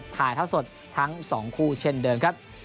ถ่ายเท่าสดทั้ง๒คู่เช่นเดิมครับ